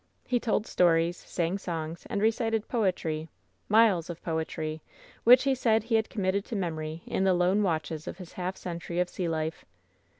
He told stories, sang songs, and recited poetry — miles of poetry, which he said he had committed to mem ory in the lone watches of his half century of sea life.